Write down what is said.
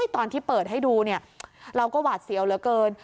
ตอนที่เปิดให้ดูเราก็หวาดเสียวเหลือเกิน